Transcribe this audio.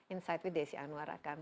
insight with desi anwar akan